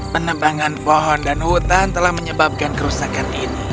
penebangan pohon dan hutan telah menyebabkan kerusakan ini